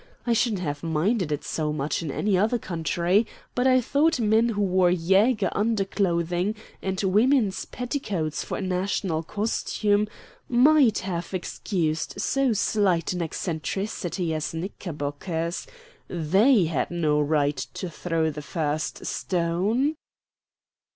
I shouldn't have minded it so much in any other country, but I thought men who wore Jaeger underclothing and women's petticoats for a national costume might have excused so slight an eccentricity as knickerbockers. THEY had no right to throw the first stone."